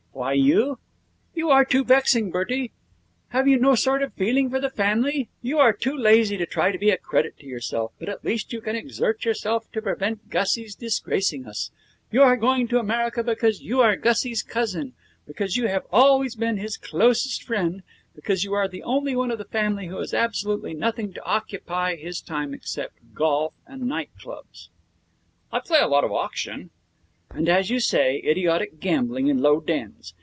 'Why you? You are too vexing, Bertie. Have you no sort of feeling for the family? You are too lazy to try to be a credit to yourself, but at least you can exert yourself to prevent Gussie's disgracing us. You are going to America because you are Gussie's cousin, because you have always been his closest friend, because you are the only one of the family who has absolutely nothing to occupy his time except golf and night clubs.' 'I play a lot of auction.' 'And as you say, idiotic gambling in low dens.